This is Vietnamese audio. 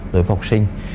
đối với học sinh